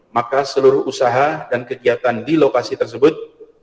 maka seluruh usaha dan kegiatan di lokasi tersebut